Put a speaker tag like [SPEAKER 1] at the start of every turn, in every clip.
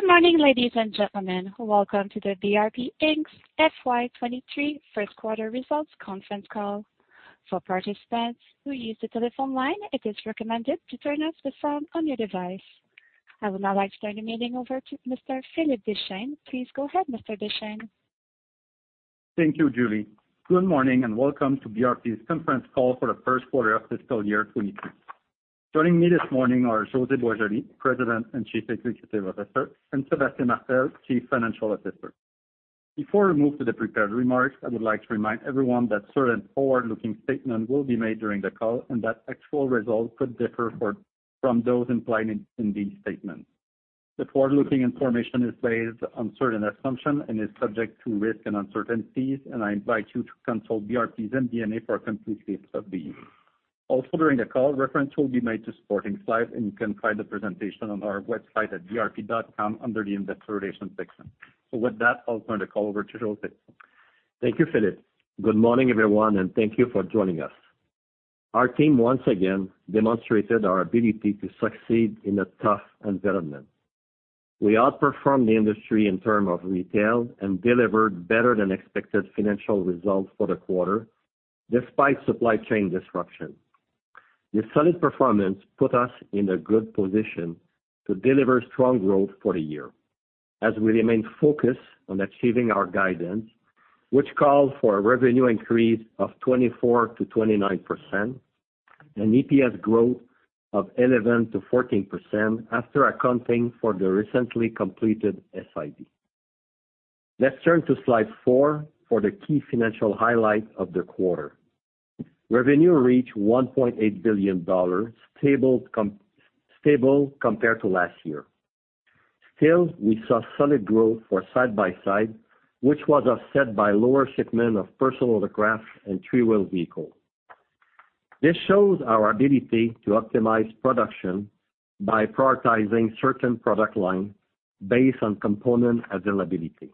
[SPEAKER 1] Good morning, ladies and gentlemen. Welcome to the BRP Inc.'s FY 2023 first quarter results conference call. For participants who use the telephone line, it is recommended to turn off the sound on your device. I would now like to turn the meeting over to Mr. Philippe Deschênes. Please go ahead, Mr. Deschênes.
[SPEAKER 2] Thank you, Julie. Good morning and welcome to BRP's conference call for the first quarter of fiscal year 2023. Joining me this morning are José Boisjoli, President and Chief Executive Officer, and Sébastien Martel, Chief Financial Officer. Before we move to the prepared remarks, I would like to remind everyone that certain forward-looking statements will be made during the call and that actual results could differ from those implied in these statements. The forward-looking information is based on certain assumptions and is subject to risks and uncertainties, and I invite you to consult BRP's MD&A for a complete list of these. Also, during the call, reference will be made to supporting slides, and you can find the presentation on our website at brp.com under the investor relations section. With that, I'll turn the call over to José.
[SPEAKER 3] Thank you, Philippe. Good morning, everyone, and thank you for joining us. Our team once again demonstrated our ability to succeed in a tough environment. We outperformed the industry in terms of retail and delivered better than expected financial results for the quarter despite supply chain disruption. This solid performance put us in a good position to deliver strong growth for the year as we remain focused on achieving our guidance, which calls for a revenue increase of 24%-29% and EPS growth of 11%-14% after accounting for the recently completed SIB. Let's turn to slide four for the key financial highlights of the quarter. Revenue reached 1.8 billion dollars, stable compared to last year. Still, we saw solid growth for side-by-side, which was offset by lower shipment of personal watercraft and three-wheel vehicle. This shows our ability to optimize production by prioritizing certain product line based on component availability.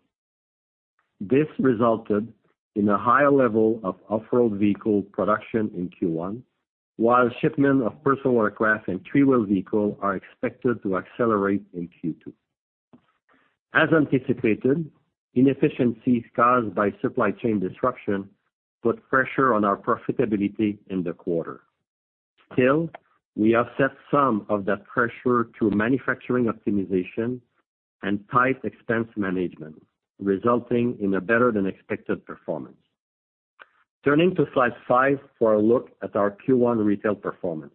[SPEAKER 3] This resulted in a higher level of off-road vehicle production in Q1, while shipment of personal watercraft and three-wheel vehicles are expected to accelerate in Q2. As anticipated, inefficiencies caused by supply chain disruption put pressure on our profitability in the quarter. Still, we offset some of that pressure through manufacturing optimization and tight expense management, resulting in a better than expected performance. Turning to slide five for a look at our Q1 retail performance.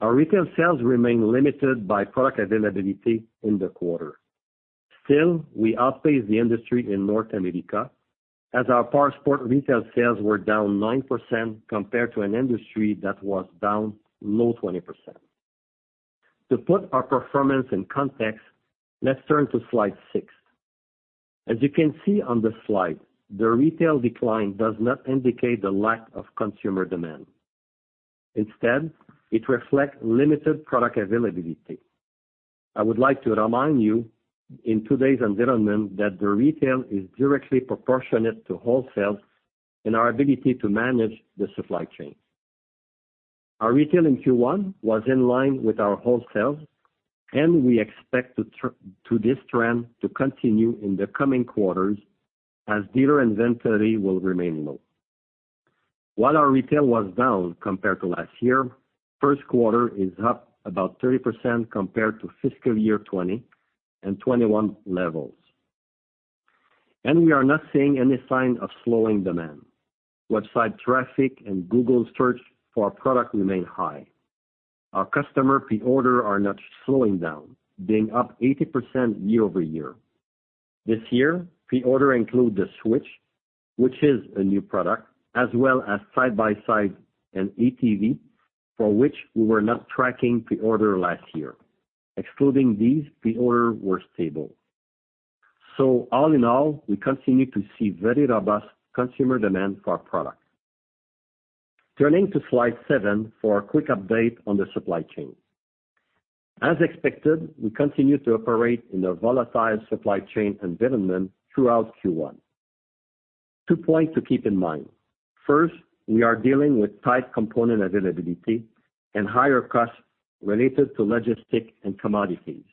[SPEAKER 3] Our retail sales remain limited by product availability in the quarter. Still, we outpaced the industry in North America as our powersport retail sales were down 9% compared to an industry that was down low 20%. To put our performance in context, let's turn to slide six. As you can see on the slide, the retail decline does not indicate the lack of consumer demand. Instead, it reflects limited product availability. I would like to remind you in today's environment that the retail is directly proportionate to wholesale and our ability to manage the supply chain. Our retail in Q1 was in line with our wholesale, and we expect to this trend to continue in the coming quarters as dealer inventory will remain low. While our retail was down compared to last year, first quarter is up about 30% compared to fiscal year 2020 and 2021 levels. We are not seeing any sign of slowing demand. Website traffic and Google search for our product remain high. Our customer pre-order are not slowing down, being up 80% year-over-year. This year, pre-orders include the Switch, which is a new product, as well as side-by-side and ATV, for which we were not tracking pre-orders last year. Excluding these, pre-orders were stable. All in all, we continue to see very robust consumer demand for our product. Turning to slide seven for a quick update on the supply chain. As expected, we continue to operate in a volatile supply chain environment throughout Q1. Two points to keep in mind. First, we are dealing with tight component availability and higher costs related to logistics and commodities.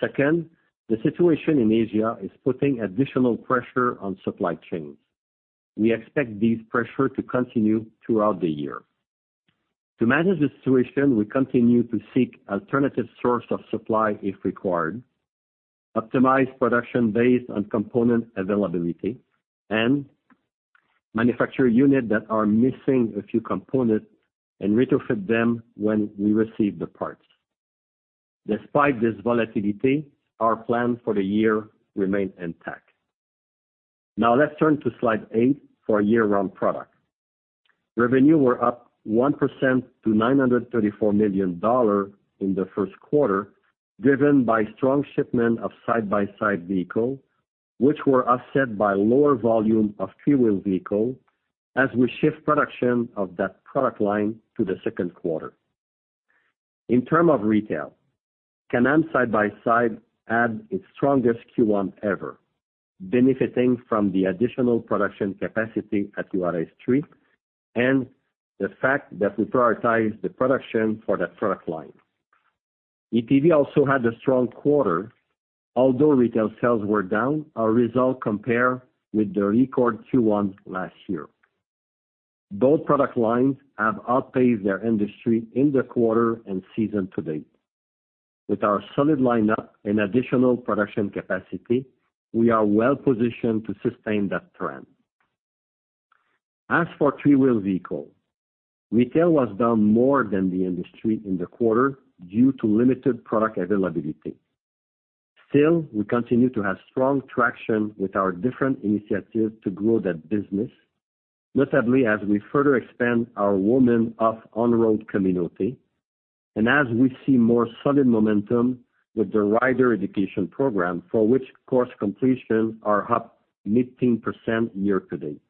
[SPEAKER 3] Second, the situation in Asia is putting additional pressure on supply chains. We expect this pressure to continue throughout the year. To manage the situation, we continue to seek alternative sources of supply if required, optimize production based on component availability, and manufacture units that are missing a few components and retrofit them when we receive the parts. Despite this volatility, our plan for the year remains intact. Now let's turn to slide eight for year-round product. Revenue was up 1% to 934 million dollars in the first quarter, driven by strong shipments of side-by-side vehicles, which were offset by lower volume of three-wheel vehicles as we shift production of that product line to the second quarter. In terms of retail, Can-Am side-by-side had its strongest Q1 ever. Benefiting from the additional production capacity at [Polaris Street] and the fact that we prioritize the production for that product line. ATV also had a strong quarter. Although retail sales were down, our results compare with the record Q1 last year. Both product lines have outpaced their industry in the quarter and season to date. With our solid lineup and additional production capacity, we are well positioned to sustain that trend. As for three-wheel vehicles, retail was down more than the industry in the quarter due to limited product availability. Still, we continue to have strong traction with our different initiatives to grow that business, notably as we further expand our Women of On-Road community and as we see more solid momentum with the rider education program, for which course completions are up 15% year to date.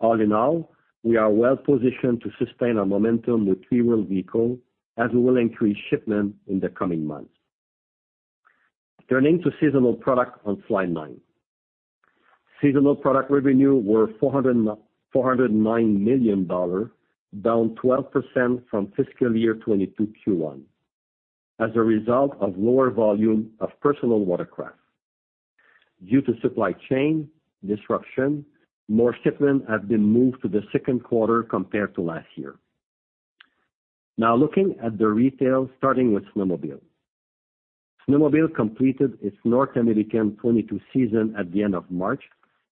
[SPEAKER 3] All in all, we are well positioned to sustain our momentum with three-wheel vehicles as we will increase shipments in the coming months. Turning to seasonal products on Slide nine. Seasonal product revenue was 409 million dollars, down 12% from fiscal year 2022 Q1 as a result of lower volume of personal watercraft. Due to supply chain disruption, more shipments have been moved to the second quarter compared to last year. Now looking at the retail, starting with snowmobile. Snowmobile completed its North American 2022 season at the end of March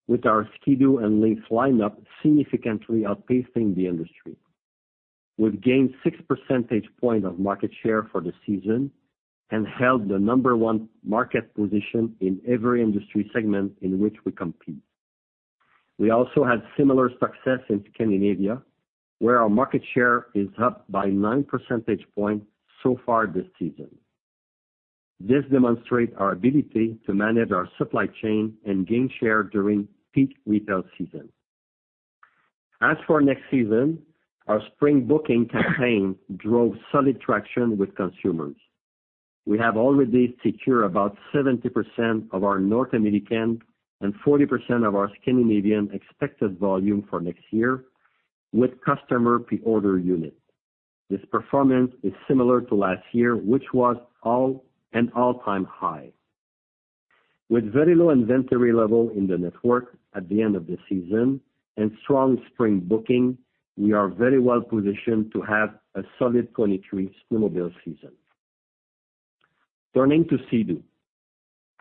[SPEAKER 3] with our Ski-Doo and Lynx lineup significantly outpacing the industry. We've gained six percentage point of market share for the season and held the number one market position in every industry segment in which we compete. We also had similar success in Scandinavia, where our market share is up by nine percentage points so far this season. This demonstrates our ability to manage our supply chain and gain share during peak retail season. As for next season, our spring booking campaign drove solid traction with consumers. We have already secured about 70% of our North American and 40% of our Scandinavian expected volume for next year with customer pre-order unit. This performance is similar to last year, which was an all-time high. With very low inventory level in the network at the end of the season and strong spring booking, we are very well positioned to have a solid 2023 snowmobile season. Turning to Sea-Doo.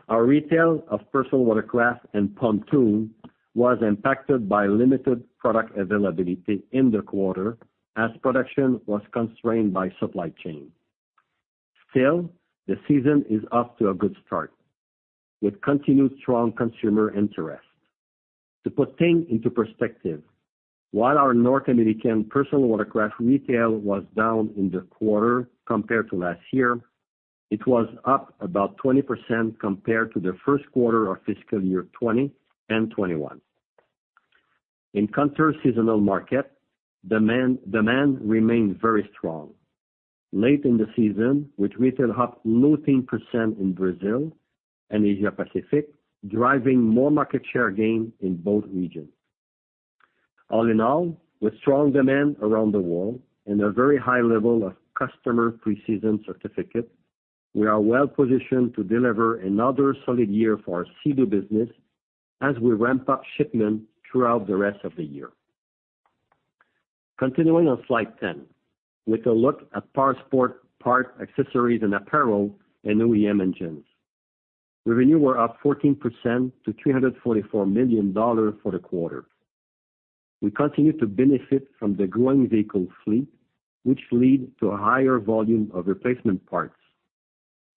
[SPEAKER 3] Our retail of personal watercraft and pontoon was impacted by limited product availability in the quarter as production was constrained by supply chain. Still, the season is off to a good start with continued strong consumer interest. To put things into perspective, while our North American personal watercraft retail was down in the quarter compared to last year, it was up about 20% compared to the first quarter of fiscal year 2021. In counter-seasonal market, demand remained very strong. Late in the season, with retail up 19% in Brazil and Asia Pacific, driving more market share gain in both regions. All in all, with strong demand around the world and a very high level of customer pre-season commitments, we are well positioned to deliver another solid year for our Sea-Doo business as we ramp up shipments throughout the rest of the year. Continuing on slide 10 with a look at powersports parts, accessories, and apparel, and OEM engines. Revenue was up 14% to 344 million dollars for the quarter. We continue to benefit from the growing vehicle fleet, which lead to a higher volume of replacement parts.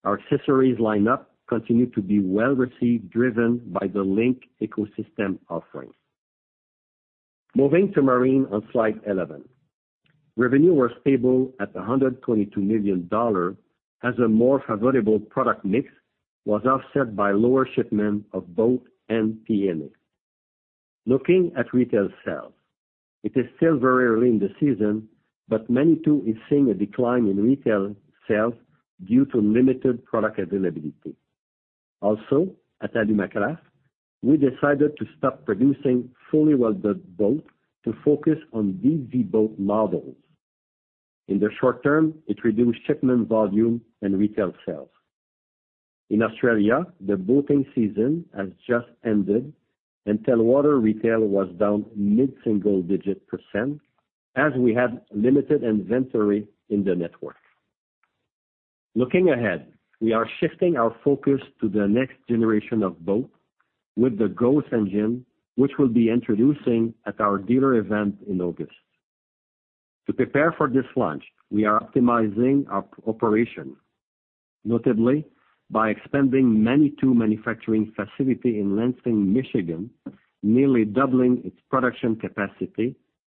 [SPEAKER 3] Our accessories lineup continue to be well-received, driven by the LinQ ecosystem offerings. Moving to Marine on slide 11. Revenue was stable at 122 million dollars as a more favorable product mix was offset by lower shipment of boats and PWCs. Looking at retail sales, it is still very early in the season, but Manitou is seeing a decline in retail sales due to limited product availability. Also, at Alumacraft, we decided to stop producing fully welded boats to focus on [GTI boat models]. In the short term, it reduced shipment volume and retail sales. In Australia, the boating season has just ended and Telwater retail was down mid-single-digit% as we had limited inventory in the network. Looking ahead, we are shifting our focus to the next generation of boat with the Ghost engine, which we'll be introducing at our dealer event in August. To prepare for this launch, we are optimizing our operation, notably by expanding Manitou manufacturing facility in Lansing, Michigan, nearly doubling its production capacity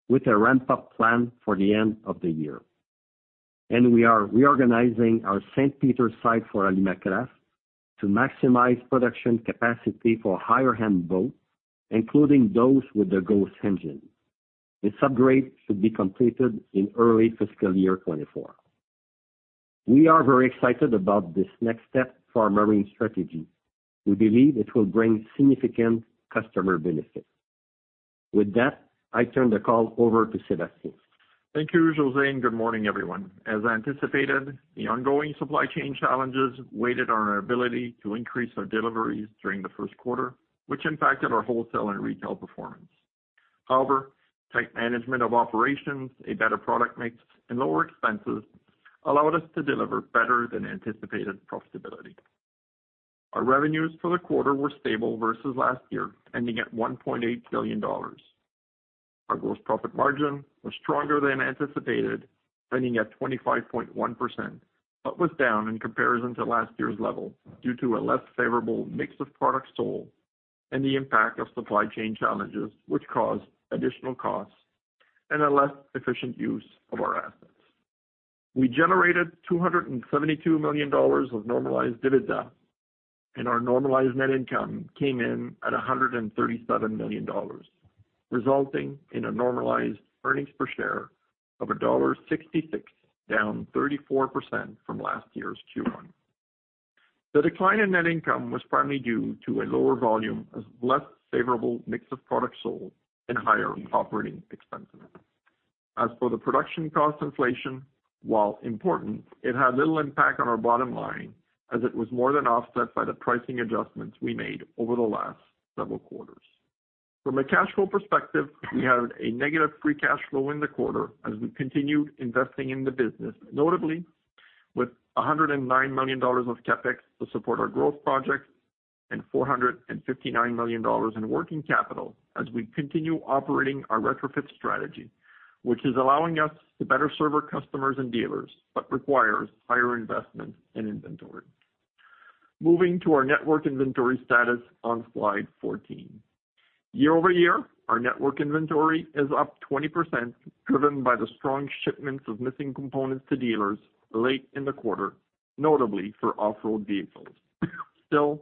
[SPEAKER 3] with a ramp-up plan for the end of the year. We are reorganizing our St. Peters site for Alumacraft to maximize production capacity for higher-end boats, including those with the Ghost engine. This upgrade should be completed in early fiscal year 2024. We are very excited about this next step for our marine strategy. We believe it will bring significant customer benefit. With that, I turn the call over to Sébastien.
[SPEAKER 4] Thank you, José, and good morning, everyone. As anticipated, the ongoing supply chain challenges weighed on our ability to increase our deliveries during the first quarter, which impacted our wholesale and retail performance. Tight management of operations, a better product mix, and lower expenses allowed us to deliver better than anticipated profitability. Our revenues for the quarter were stable versus last year, ending at 1.8 billion dollars. Our gross profit margin was stronger than anticipated, ending at 25.1%, but was down in comparison to last year's level due to a less favorable mix of products sold and the impact of supply chain challenges, which caused additional costs and a less efficient use of our assets. We generated 272 million dollars of normalized EBITDA, and our normalized net income came in at 137 million dollars, resulting in a normalized earnings per share of dollar 1.66, down 34% from last year's Q1. The decline in net income was primarily due to a lower volume, a less favorable mix of products sold, and higher operating expenses. As for the production cost inflation, while important, it had little impact on our bottom line as it was more than offset by the pricing adjustments we made over the last several quarters. From a cash flow perspective, we had a negative free cash flow in the quarter as we continued investing in the business, notably with 109 million dollars of CapEx to support our growth projects and 459 million dollars in working capital as we continue operating our retrofit strategy, which is allowing us to better serve our customers and dealers, but requires higher investment in inventory. Moving to our network inventory status on slide 14. Year-over-year, our network inventory is up 20%, driven by the strong shipments of missing components to dealers late in the quarter, notably for off-road vehicles. Still,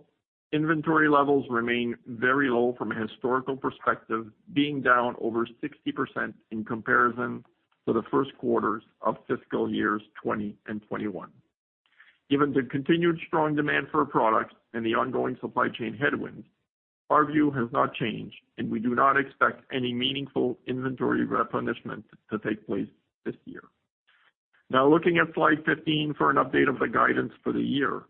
[SPEAKER 4] inventory levels remain very low from a historical perspective, being down over 60% in comparison to the first quarters of fiscal years 2020 and 2021. Given the continued strong demand for our products and the ongoing supply chain headwinds, our view has not changed, and we do not expect any meaningful inventory replenishment to take place this year. Now looking at slide 15 for an update of the guidance for the year.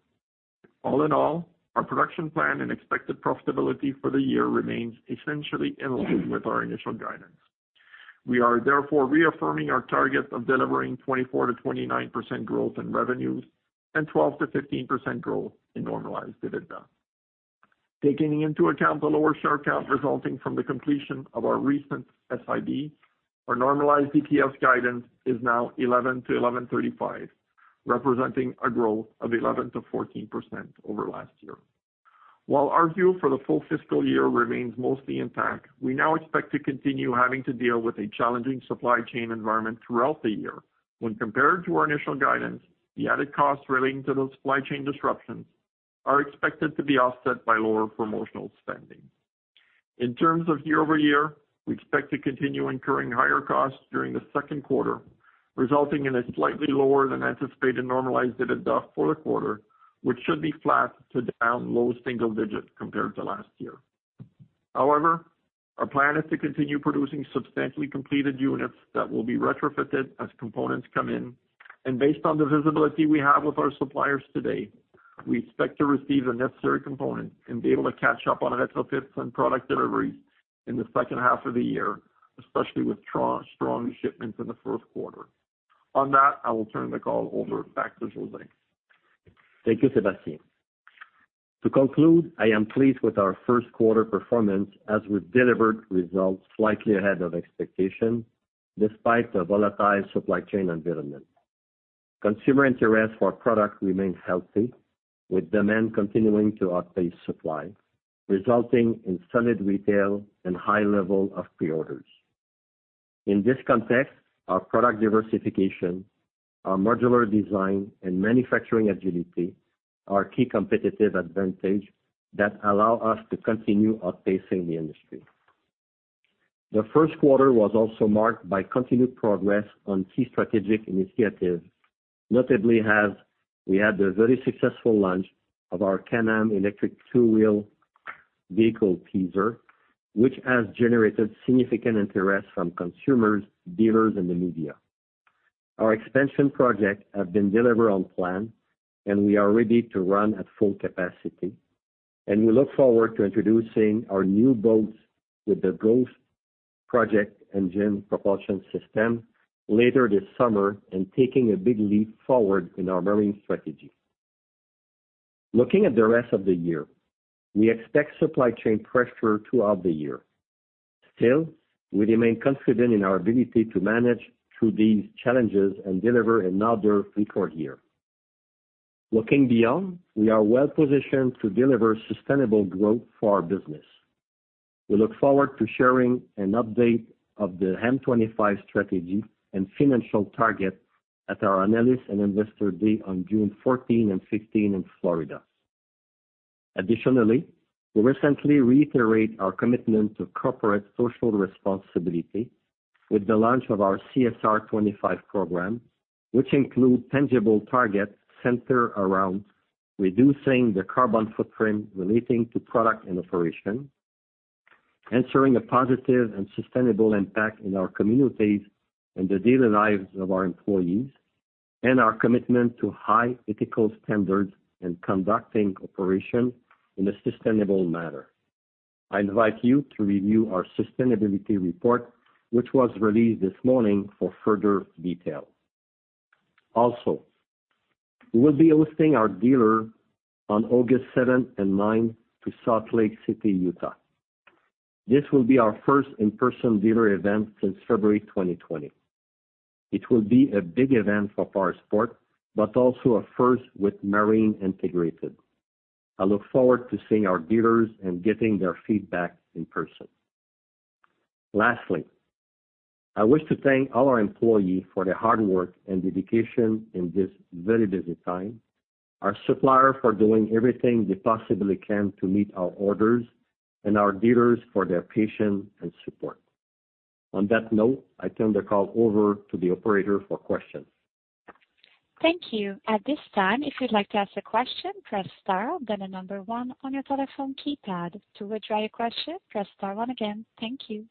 [SPEAKER 4] All in all, our production plan and expected profitability for the year remains essentially in line with our initial guidance. We are therefore reaffirming our target of delivering 24%-29% growth in revenues and 12%-15% growth in normalized EBITDA. Taking into account the lower share count resulting from the completion of our recent SIB, our normalized EPS guidance is now 11%-11.35%, representing a growth of 11%-14% over last year. While our view for the full fiscal year remains mostly intact, we now expect to continue having to deal with a challenging supply chain environment throughout the year. When compared to our initial guidance, the added costs relating to those supply chain disruptions are expected to be offset by lower promotional spending. In terms of year-over-year, we expect to continue incurring higher costs during the second quarter, resulting in a slightly lower than anticipated normalized EBITDA for the quarter, which should be flat to down low single digits compared to last year. However, our plan is to continue producing substantially completed units that will be retrofitted as components come in. Based on the visibility we have with our suppliers today, we expect to receive the necessary components and be able to catch up on retrofits and product deliveries in the second half of the year, especially with strong shipments in the first quarter. On that, I will turn the call over back to José.
[SPEAKER 3] Thank you, Sébastien. To conclude, I am pleased with our first quarter performance as we delivered results slightly ahead of expectation, despite the volatile supply chain environment. Consumer interest for our products remains healthy, with demand continuing to outpace supply, resulting in solid retail and high level of pre-orders. In this context, our product diversification, our modular design, and manufacturing agility are key competitive advantage that allow us to continue outpacing the industry. The first quarter was also marked by continued progress on key strategic initiatives. We had the very successful launch of our Can-Am electric two-wheel vehicle teaser, which has generated significant interest from consumers, dealers, and the media. Our expansion projects have been delivered on plan, and we are ready to run at full capacity. We look forward to introducing our new boats with the Project Ghost engine propulsion system later this summer and taking a big leap forward in our marine strategy. Looking at the rest of the year, we expect supply chain pressure throughout the year. Still, we remain confident in our ability to manage through these challenges and deliver another record year. Looking beyond, we are well positioned to deliver sustainable growth for our business. We look forward to sharing an update of the M25 strategy and financial target at our Analyst and Investor Day on June 14 and 15 in Florida. Additionally, we recently reiterated our commitment to corporate social responsibility with the launch of our CSR 25 program, which includes tangible targets centered around reducing the carbon footprint relating to products and operations, ensuring a positive and sustainable impact in our communities and the daily lives of our employees, and our commitment to high ethical standards in conducting operations in a sustainable manner. I invite you to review our sustainability report, which was released this morning for further detail. Also, we will be hosting our dealers in Salt Lake City, Utah, on August seven and nine. This will be our first in-person dealer event since February 2020. It will be a big event for powersports, but also a first with marine integrated. I look forward to seeing our dealers and getting their feedback in person. Lastly, I wish to thank all our employees for their hard work and dedication in this very busy time, our supplier for doing everything they possibly can to meet our orders, and our dealers for their patience and support. On that note, I turn the call over to the operator for questions.
[SPEAKER 1] Thank you. At this time, if you'd like to ask a question, press star, then one on your telephone keypad. To withdraw your question, press star one again. Thank you.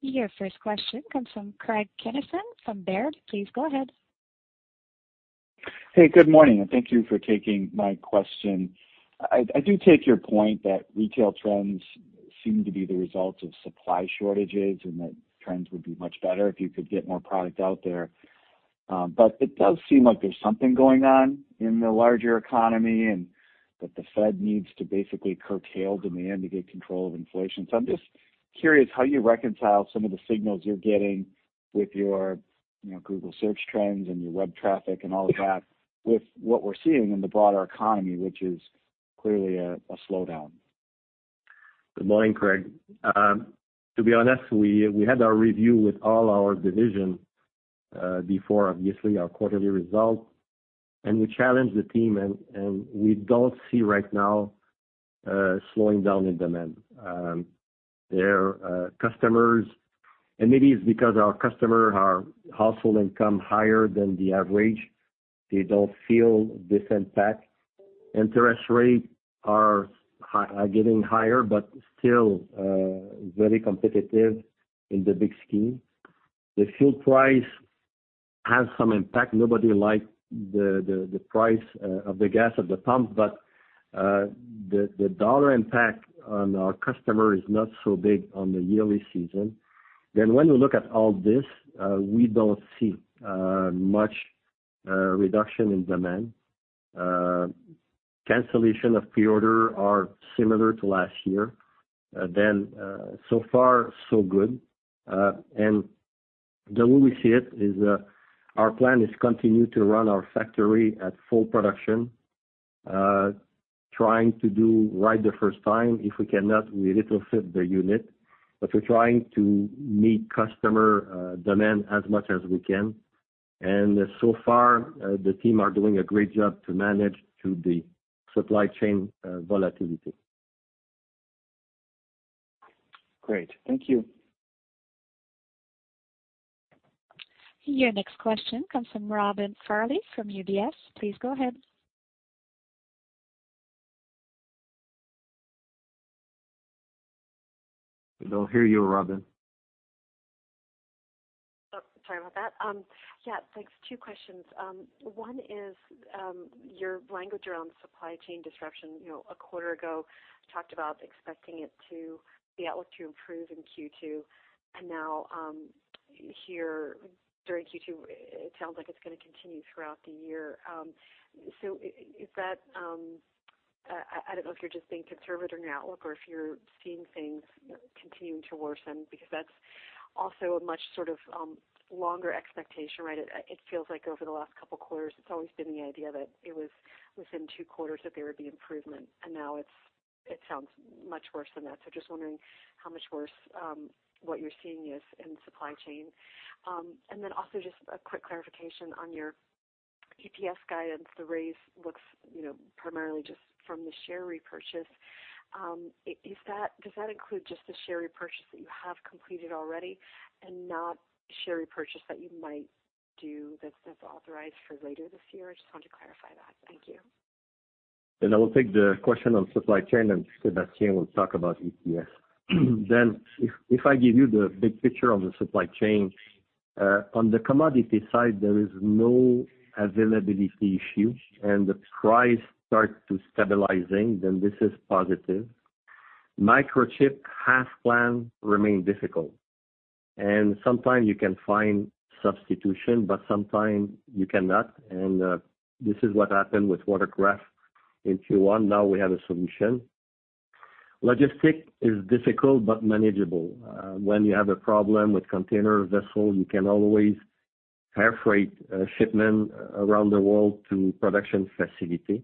[SPEAKER 1] Your first question comes from Craig Kennison from Baird. Please go ahead.
[SPEAKER 5] Hey, good morning, and thank you for taking my question. I do take your point that retail trends seem to be the result of supply shortages and that trends would be much better if you could get more product out there. But it does seem like there's something going on in the larger economy and that the Fed needs to basically curtail demand to get control of inflation. I'm just curious how you reconcile some of the signals you're getting with your, you know, Google Search trends and your web traffic and all of that with what we're seeing in the broader economy, which is clearly a slowdown.
[SPEAKER 3] Good morning, Craig. To be honest, we had our review with all our divisions before obviously our quarterly results, and we challenged the team and we don't see right now slowing down in demand. Their customers. Maybe it's because our customer, our household income higher than the average, they don't feel this impact. Interest rates are getting higher, but still very competitive in the big scheme. The fuel price has some impact. Nobody likes the price of the gas at the pump, but the dollar impact on our customer is not so big on the yearly basis. When we look at all this, we don't see much reduction in demand. Cancellation of pre-orders are similar to last year. So far so good. The way we see it is, our plan is to continue to run our factory at full production, trying to do right the first time. If we cannot, we retrofit the unit. We're trying to meet customer demand as much as we can. So far, the team are doing a great job to manage through the supply chain volatility.
[SPEAKER 5] Great. Thank you.
[SPEAKER 1] Your next question comes from Robin Farley from UBS. Please go ahead.
[SPEAKER 3] We don't hear you, Robin.
[SPEAKER 6] Oh, sorry about that. Yeah, thanks. Two questions. One is your language around supply chain disruption. You know, a quarter ago, talked about expecting the outlook to improve in Q2, and now, here during Q2, it sounds like it's gonna continue throughout the year. Is that? I don't know if you're just being conservative in your outlook or if you're seeing things continuing to worsen, because that's also a much sort of longer expectation, right? It feels like over the last couple quarters, it's always been the idea that it was within two quarters that there would be improvement, and now it sounds much worse than that. Just wondering how much worse what you're seeing is in supply chain. Also just a quick clarification on your EPS guidance. The raise looks, you know, primarily just from the share repurchase. Does that include just the share repurchase that you have completed already and not share repurchase that you might do that's authorized for later this year? I just wanted to clarify that. Thank you.
[SPEAKER 3] I will take the question on supply chain, and Sébastien will talk about EPS. If I give you the big picture on the supply chain, on the commodity side, there is no availability issue, and the price starts to stabilizing, then this is positive. Microchip supply chain remain difficult. Sometimes you can find substitution, but sometime you cannot, and this is what happened with Watercraft in Q1. Now we have a solution. Logistics is difficult but manageable. When you have a problem with container vessel, you can always air freight shipment around the world to production facility.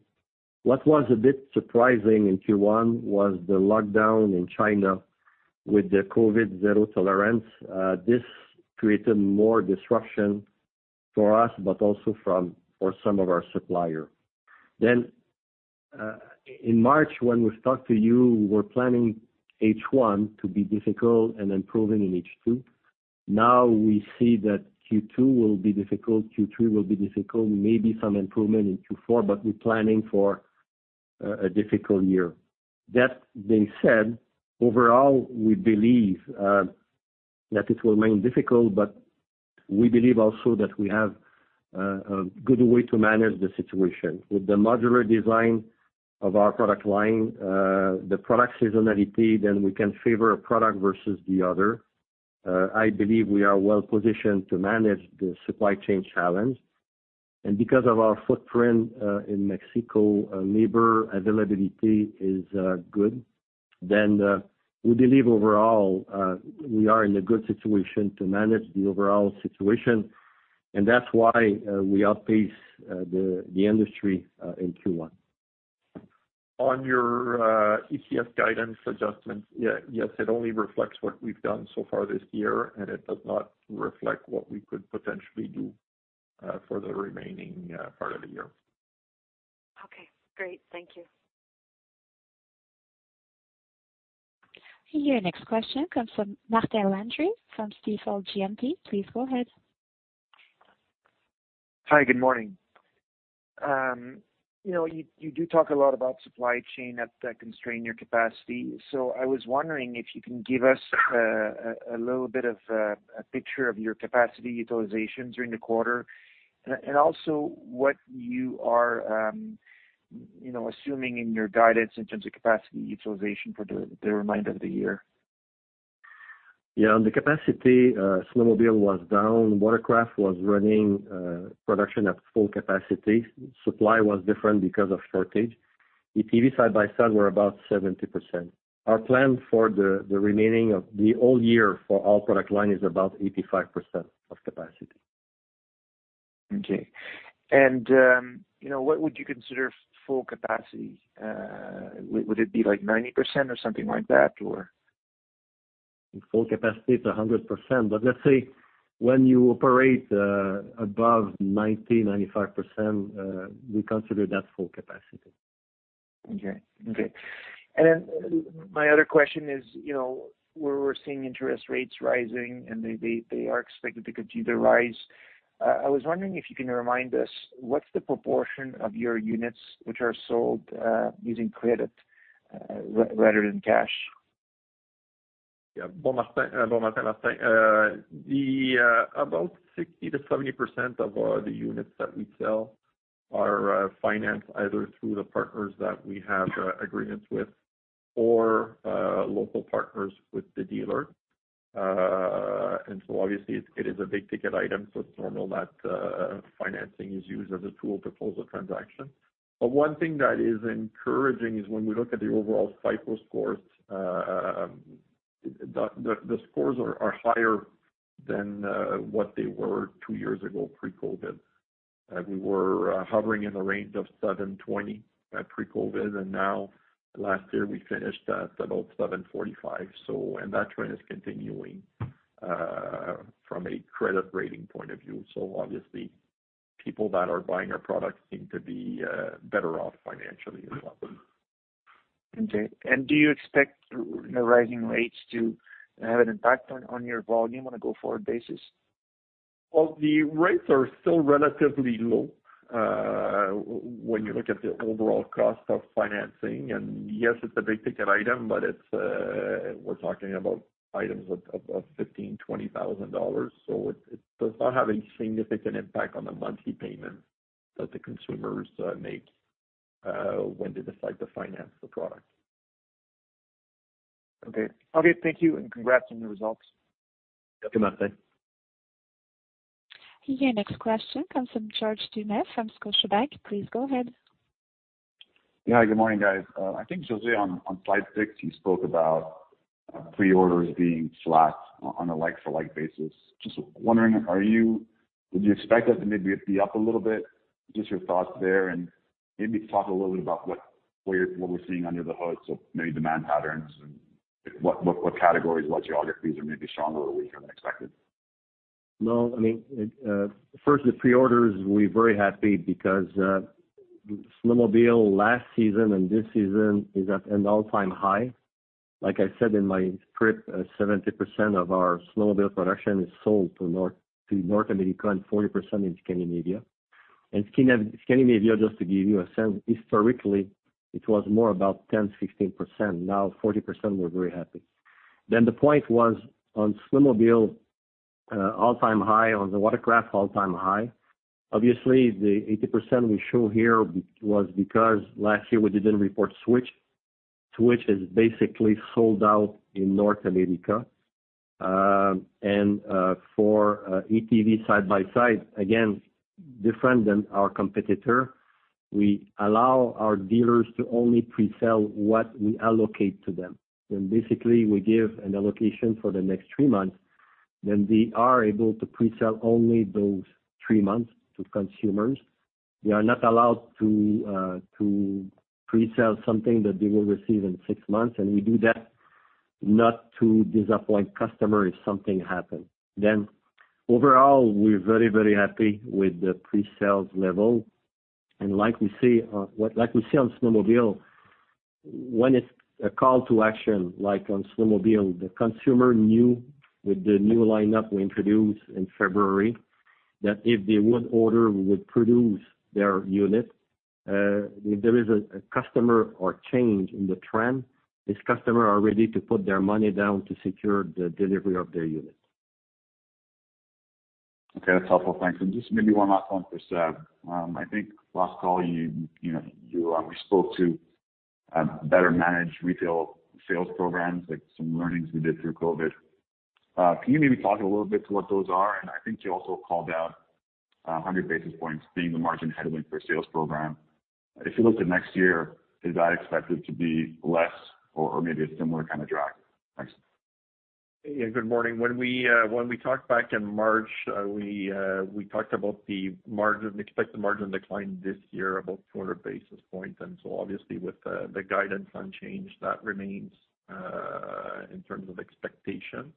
[SPEAKER 3] What was a bit surprising in Q1 was the lockdown in China with the COVID zero tolerance, this created more disruption for us, but also for some of our supplier. In March, when we talked to you, we were planning H1 to be difficult and improving in H2. Now we see that Q2 will be difficult, Q3 will be difficult, maybe some improvement in Q4, but we're planning for a difficult year. That being said, overall, we believe that it will remain difficult, but we believe also that we have a good way to manage the situation. With the modular design of our product line, the product seasonality, then we can favor a product versus the other. I believe we are well-positioned to manage the supply chain challenge. Because of our footprint in Mexico, labor availability is good. We believe overall we are in a good situation to manage the overall situation, and that's why we outpace the industry in Q1.
[SPEAKER 4] On your EPS guidance adjustment, yes, it only reflects what we've done so far this year, and it does not reflect what we could potentially do for the remaining part of the year.
[SPEAKER 6] Okay, great. Thank you.
[SPEAKER 1] Your next question comes from Martin Landry from Stifel GMP. Please go ahead.
[SPEAKER 7] Hi, good morning. You know, you do talk a lot about supply chain that constrain your capacity. I was wondering if you can give us a little bit of a picture of your capacity utilization during the quarter, and also what you are, you know, assuming in your guidance in terms of capacity utilization for the remainder of the year.
[SPEAKER 3] Yeah, on the capacity, snowmobile was down, watercraft was running production at full capacity. Supply was different because of shortage. The ATV side-by-side were about 70%. Our plan for the remaining of the whole year for all product line is about 85% of capacity.
[SPEAKER 7] Okay. You know, what would you consider full capacity? Would it be like 90% or something like that, or?
[SPEAKER 3] Full capacity is 100%. Let's say when you operate above 90%-95%, we consider that full capacity.
[SPEAKER 7] My other question is, you know, we're seeing interest rates rising, and they are expected to continue to rise. I was wondering if you can remind us what's the proportion of your units which are sold, using credit rather than cash?
[SPEAKER 4] Yeah. Martin. About 60%-70% of the units that we sell are financed either through the partners that we have agreements with or local partners with the dealer. Obviously it is a big-ticket item, so it's normal that financing is used as a tool to close a transaction. But one thing that is encouraging is when we look at the overall FICO scores, the scores are higher than what they were two years ago pre-COVID. We were hovering in the range of 720 at pre-COVID, and now last year we finished at about 745. That trend is continuing from a credit rating point of view. Obviously people that are buying our products seem to be better off financially as well.
[SPEAKER 7] Okay. Do you expect the rising rates to have an impact on your volume on a go-forward basis?
[SPEAKER 4] Well, the rates are still relatively low, when you look at the overall cost of financing. Yes, it's a big-ticket item, but we're talking about items of $15-$20 thousand. It does not have a significant impact on the monthly payment that the consumers make, when they decide to finance the product.
[SPEAKER 7] Okay. Okay, thank you, and congrats on the results.
[SPEAKER 4] Thank you, Martin.
[SPEAKER 1] Your next question comes from George Doumet from Scotiabank. Please go ahead.
[SPEAKER 8] Yeah. Good morning, guys. I think, José, on slide six, you spoke about pre-orders being flat on a like-for-like basis. Just wondering, did you expect that to maybe be up a little bit? Just your thoughts there, and maybe talk a little bit about what we're seeing under the hood, so maybe demand patterns and what categories, what geographies are maybe stronger than what you had expected.
[SPEAKER 3] No, I mean, first the pre-orders, we're very happy because snowmobile last season and this season is at an all-time high. Like I said in my script, 70% of our snowmobile production is sold to North America and 40% in Scandinavia. In Scandinavia, just to give you a sense, historically it was more about 10%-16%. Now 40%, we're very happy. The point was on snowmobile all-time high, on the watercraft all-time high. Obviously, the 80% we show here was because last year we didn't report Switch. Switch is basically sold out in North America. For ATV side-by-side, again, different than our competitor. We allow our dealers to only pre-sell what we allocate to them. Basically we give an allocation for the next three months. They are able to pre-sell only those three months to consumers. They are not allowed to pre-sell something that they will receive in six months, and we do that not to disappoint customer if something happens. Overall, we're very, very happy with the pre-sales level. Like we see on snowmobile, when it's a call to action, like on snowmobile, the consumer knew with the new lineup we introduced in February that if they would order, we would produce their unit. If there is a customer or change in the trend, this customer are ready to put their money down to secure the delivery of their unit.
[SPEAKER 8] Okay, that's helpful. Thanks. Just maybe one last one for September. I think last call you know we spoke to better manage retail sales programs, like some learnings we did through COVID. Can you maybe talk a little bit to what those are? I think you also called out 100 basis points being the margin headwind for sales program. If you look to next year, is that expected to be less or maybe a similar kind of drive? Thanks.
[SPEAKER 4] Yeah. Good morning. When we talked back in March, we talked about the expected margin decline this year about 400 basis points. Obviously with the guidance unchanged, that remains in terms of expectation.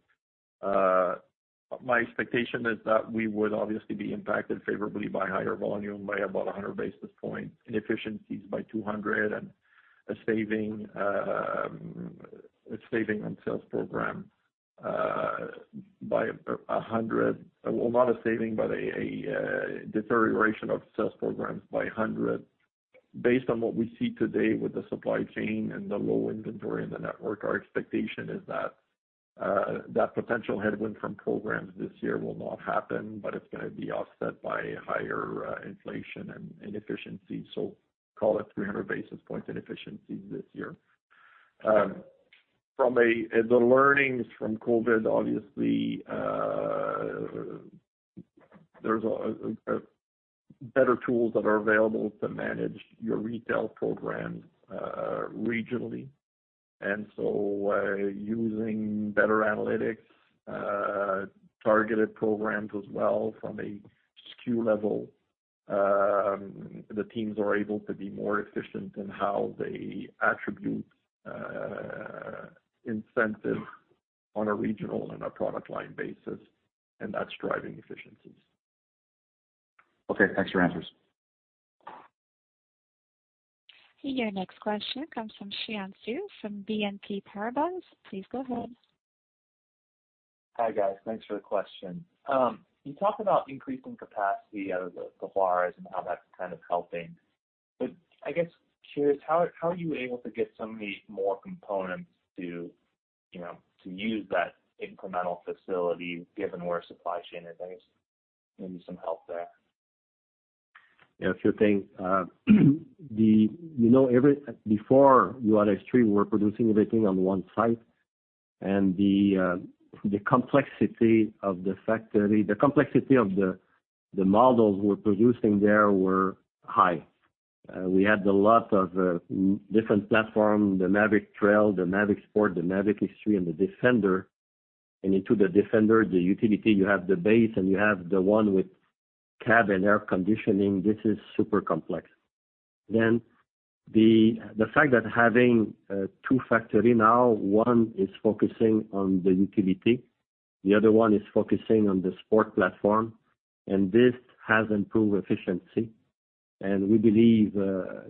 [SPEAKER 4] My expectation is that we would obviously be impacted favorably by higher volume by about 100 basis points, inefficiencies by 200, and a saving on sales program by 100. Well, not a saving, but a deterioration of sales programs by 100. Based on what we see today with the supply chain and the low inventory in the network, our expectation is that potential headwind from programs this year will not happen, but it's gonna be offset by higher inflation and inefficiency. Call it 300 basis points inefficiencies this year. The learnings from COVID, obviously, there's better tools that are available to manage your retail program, regionally. Using better analytics, targeted programs as well from a SKU level, the teams are able to be more efficient in how they attribute incentive on a regional and a product line basis, and that's driving efficiencies.
[SPEAKER 8] Okay. Thanks for your answers.
[SPEAKER 1] Your next question comes from Xian Siew from BNP Paribas. Please go ahead.
[SPEAKER 9] Hi, guys. Thanks for the question. You talked about increasing capacity out of the Juarez and how that's kind of helping. I'm curious, how are you able to get so many more components to, you know, to use that incremental facility given where supply chain is? I guess maybe some help there.
[SPEAKER 3] Yeah, a few things. You know, before Juárez 3, we're producing everything on one site and the complexity of the factory, the models we're producing there were high. We had a lot of different platforms, the Maverick Trail, the Maverick Sport, the Maverick X3, and the Defender. In the Defender, the utility, you have the base and you have the one with cab and air conditioning. This is super complex. The fact that having two factories now, one is focusing on the utility, the other one is focusing on the sport platform, and this has improved efficiency. We believe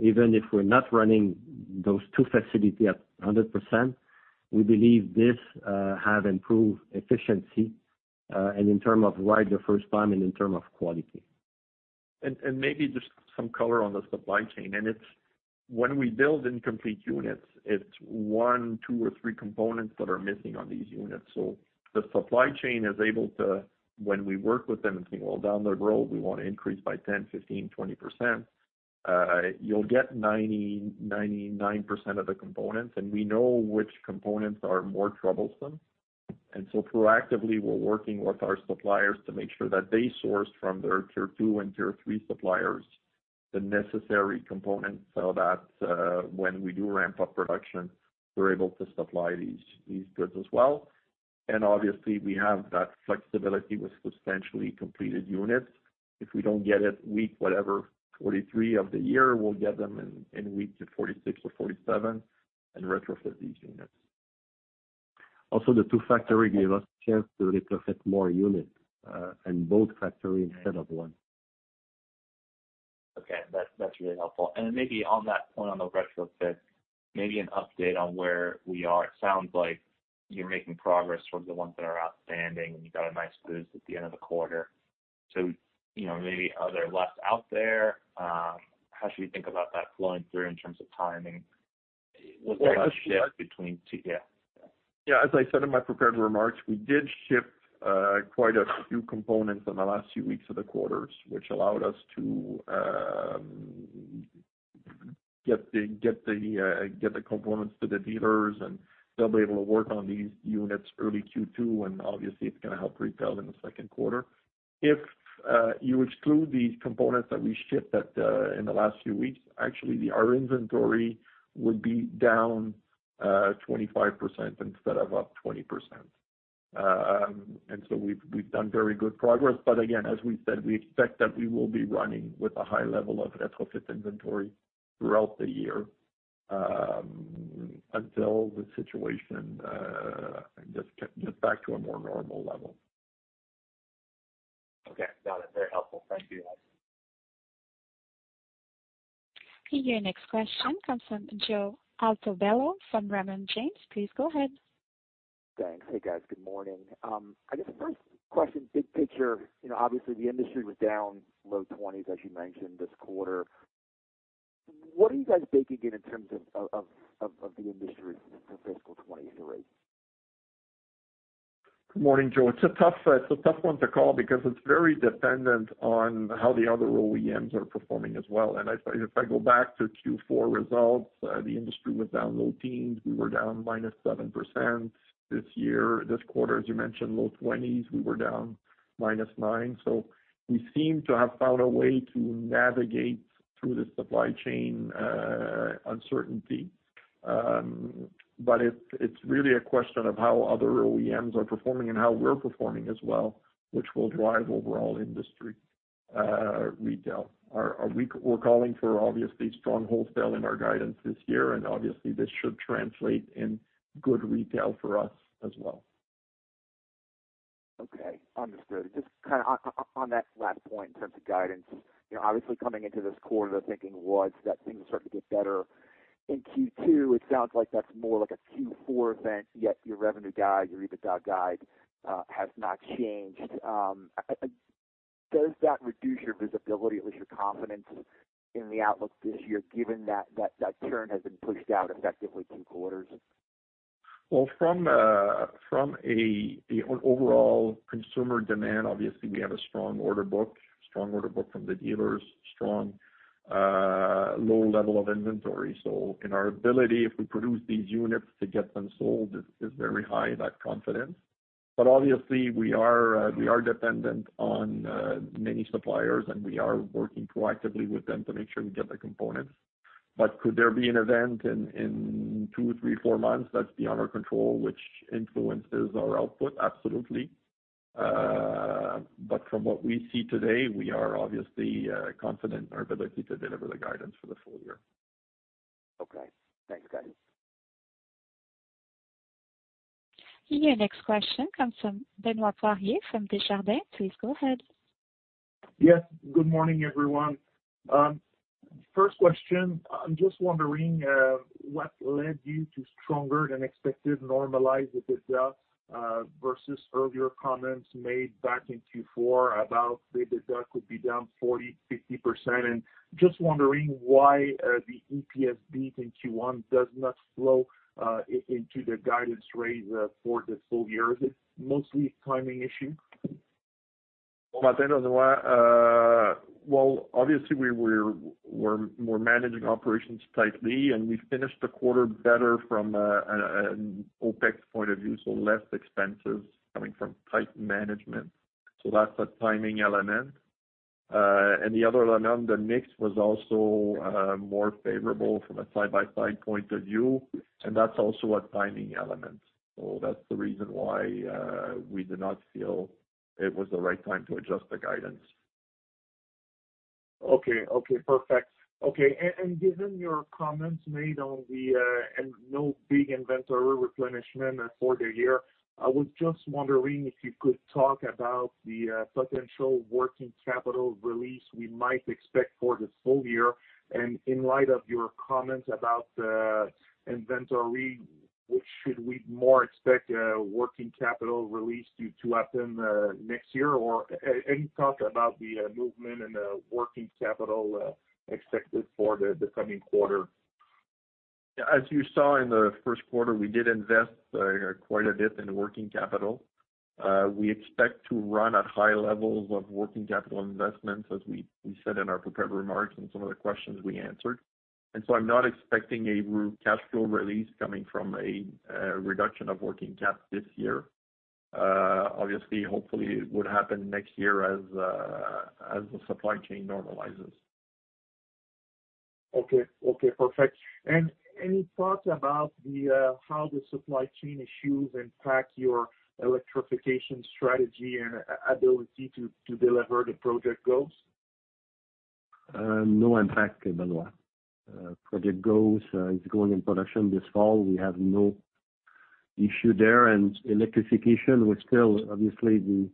[SPEAKER 3] even if we're not running those two facilities at 100%, we believe this have improved efficiency, and in terms of right the first time and in terms of quality.
[SPEAKER 4] Maybe just some color on the supply chain. It's when we build incomplete units, it's one, two or three components that are missing on these units. The supply chain is able to, when we work with them and say, "Well, down the road we wanna increase by 10%, 15%, 20%," you'll get 90%, 99% of the components and we know which components are more troublesome. Proactively we're working with our suppliers to make sure that they source from their tier two and tier three suppliers the necessary components so that, when we do ramp up production, we're able to supply these goods as well. Obviously we have that flexibility with substantially completed units. If we don't get it week whatever, 43 of the year, we'll get them in week 46 or 47 and retrofit these units.
[SPEAKER 3] Also, the two factories gave us a chance to retrofit more units in both factories instead of one.
[SPEAKER 9] Okay. That's really helpful. Maybe on that point on the retrofit, maybe an update on where we are. It sounds like you're making progress from the ones that are outstanding and you got a nice boost at the end of the quarter. You know, maybe are there less out there? How should we think about that flowing through in terms of timing?
[SPEAKER 4] Yeah. As I said in my prepared remarks, we did ship quite a few components in the last few weeks of the quarters, which allowed us to get the components to the dealers and they'll be able to work on these units early Q2 and obviously it's gonna help retail in the second quarter. If you exclude these components that we shipped in the last few weeks, actually, our inventory would be down 25% instead of up 20%. We've done very good progress. Again, as we said, we expect that we will be running with a high level of retrofit inventory throughout the year until the situation gets back to a more normal level.
[SPEAKER 9] Okay. Got it. Very helpful. Thank you.
[SPEAKER 1] Your next question comes from Joe Altobello from Raymond James. Please go ahead.
[SPEAKER 10] Thanks. Hey, guys. Good morning. I guess the first question, big picture, you know, obviously, the industry was down low 20s%, as you mentioned this quarter. What are you guys baking in in terms of the industry for fiscal 2023?
[SPEAKER 4] Good morning, Joe. It's a tough one to call because it's very dependent on how the other OEMs are performing as well. If I go back to Q4 results, the industry was down low teens%. We were down -7%. This year, this quarter, as you mentioned, low 20s%, we were down -9%. We seem to have found a way to navigate through the supply chain uncertainty. It's really a question of how other OEMs are performing and how we're performing as well, which will drive overall industry retail. We're calling for, obviously, strong wholesale in our guidance this year, and obviously, this should translate in good retail for us as well.
[SPEAKER 10] Okay. Understood. Just kinda on that last point in terms of guidance, you know, obviously coming into this quarter, the thinking was that things started to get better. In Q2, it sounds like that's more like a Q4 event, yet your revenue guide, your EBITDA guide, has not changed. Does that reduce your visibility, at least your confidence in the outlook this year, given that turn has been pushed out effectively two quarters?
[SPEAKER 4] From the overall consumer demand, obviously, we have a strong order book from the dealers, strong low level of inventory. Our ability, if we produce these units to get them sold, is very high in that confidence. Obviously, we are dependent on many suppliers, and we are working proactively with them to make sure we get the components. Could there be an event in two, three, four months that's beyond our control, which influences our output? Absolutely. From what we see today, we are obviously confident in our ability to deliver the guidance for the full year.
[SPEAKER 10] Okay. Thanks, guys.
[SPEAKER 1] Your next question comes from Benoit Poirier from Desjardins. Please go ahead.
[SPEAKER 11] Yes. Good morning, everyone. First question, I'm just wondering what led you to stronger than expected normalized EBITDA versus earlier comments made back in Q4 about the EBITDA could be down 40%-50%. Just wondering why the EPS beat in Q1 does not flow into the guidance range for the full year. Is it mostly timing issue?
[SPEAKER 4] Well, Benoit, well, obviously, we're managing operations tightly, and we finished the quarter better from an OpEx point of view, so less expenses coming from tight management. That's a timing element. The other element, the mix was also more favorable from a side-by-side point of view, and that's also a timing element. That's the reason why we did not feel it was the right time to adjust the guidance.
[SPEAKER 11] Okay, perfect. Given your comments and no big inventory replenishment for the year, I was just wondering if you could talk about the potential working capital release we might expect for the full year. In light of your comments about the inventory, which should we more expect working capital release to happen next year? Any talk about the movement in working capital expected for the coming quarter?
[SPEAKER 4] As you saw in the first quarter, we did invest quite a bit in working capital. We expect to run at high levels of working capital investments, as we said in our prepared remarks and some of the questions we answered. I'm not expecting a free cash flow release coming from a reduction of working cap this year. Obviously, hopefully, it would happen next year as the supply chain normalizes.
[SPEAKER 11] Okay. Okay, perfect. Any thoughts about how the supply chain issues impact your electrification strategy and ability to deliver the Project Ghost?
[SPEAKER 4] No impact, Benoit. Project Ghost is going in production this fall. We have no issue there. Electrification, we're still obviously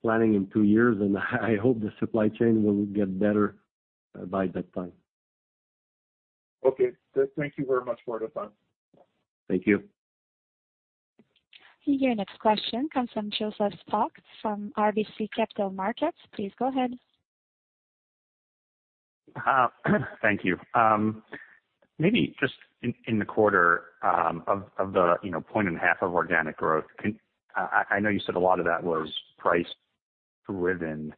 [SPEAKER 4] planning in two years, and I hope the supply chain will get better by that time.
[SPEAKER 11] Okay. Thank you very much, Sébastien.
[SPEAKER 4] Thank you.
[SPEAKER 1] Your next question comes from Joseph Spak from RBC Capital Markets. Please go ahead.
[SPEAKER 12] Thank you. Maybe just in the quarter of the 1.5% organic growth, I know you said a lot of that was price driven.